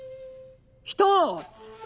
ひとつ。